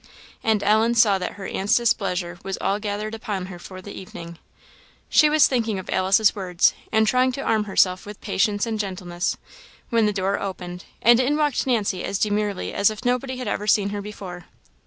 And Ellen saw that her aunt's displeasure was all gathered upon her for the evening. She was thinking of Alice's words, and trying to arm herself with patience and gentleness, when the door opened, and in walked Nancy as demurely as if nobody had ever seen her before.